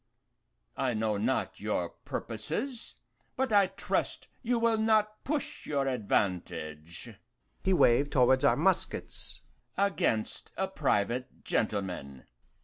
I know not your purposes, but I trust you will not push your advantage" he waved towards our muskets "against a private gentleman."